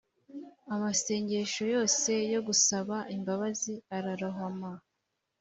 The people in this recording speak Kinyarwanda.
amasengesho yose yo gusaba imbabazi ararohama;